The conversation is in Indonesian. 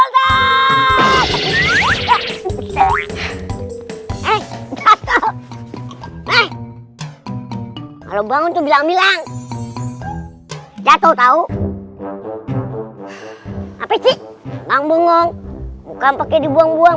kalau bangun bilang bilang jatuh tahu apa sih bang bengong muka pakai dibuang buang